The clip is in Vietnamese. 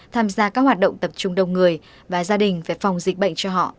tham gia các hoạt động tập trung đông người và gia đình phải phòng dịch bệnh cho họ